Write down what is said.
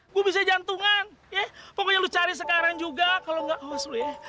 gua bisa jantungan ya pokoknya lu cari sekarang juga kalo enggak awas dulu ya